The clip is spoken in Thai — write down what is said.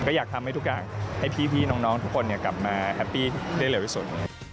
ก็อยากทำให้ทุกอย่างให้พี่น้องทุกคนกลับมาแฮปปี้ได้เร็วที่สุด